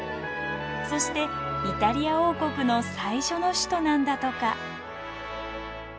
そしてイタリア王国の最初の首都なんだとか。